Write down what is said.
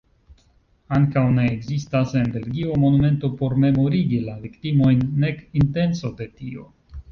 Ankaŭ ne ekzistas en Belgio monumento por memorigi la viktimojn, nek intenco de tio.